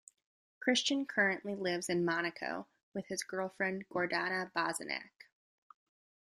Christian currently lives in Monaco with his girlfriend Gordana Bosanac.